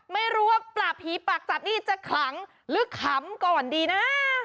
ไม่รู้ว่าปราบผีปากจับนี่จะขลังหรือขำก่อนดีนะ